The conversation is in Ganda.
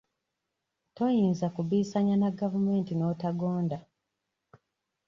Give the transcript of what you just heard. Toyinza kubbiisanya na gavumenti n'otagonda.